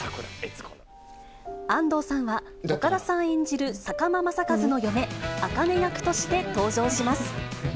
安藤さんは、岡田さん演じる坂間正和の嫁、茜役として登場します。